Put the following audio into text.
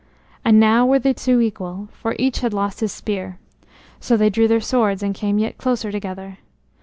And now were the two equal, for each had lost his spear. So they drew their swords and came yet closer together.